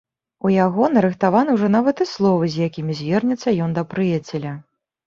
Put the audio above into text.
У яго нарыхтаваны ўжо нават і словы, з якімі звернецца ён да прыяцеля.